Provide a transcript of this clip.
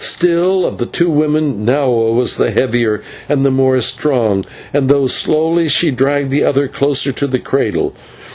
Still, of the two women Nahua was the heavier and the more strong, and, though slowly, she dragged the other closer to the cradle.